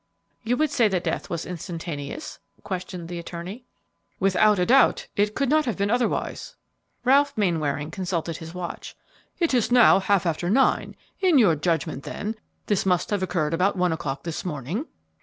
"You would say that death was instantaneous?" questioned the attorney. "Without a doubt. It could not have been otherwise?" Ralph Mainwaring consulted his watch. "It is now half after nine; in your judgment, then, this must have occurred about one o'clock this morning?"